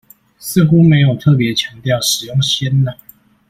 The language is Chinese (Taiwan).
似乎沒有特別強調使用鮮奶